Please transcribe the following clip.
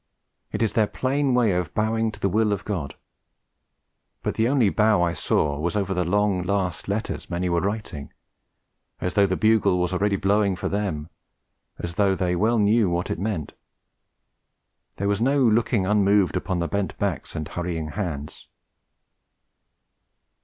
It is their plain way of bowing to the Will of God. But the only bow I saw was over the long last letters many were writing, as though the bugle was already blowing for them, as though they well knew what it meant. There was no looking unmoved upon those bent backs and hurrying hands.